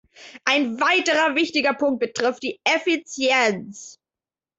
Ein weiterer wichtiger Punkt betrifft die Effizienz.